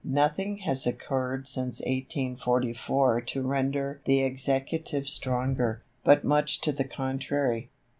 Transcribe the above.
Nothing has occurred since 1844 to render the Executive stronger, but much to the contrary.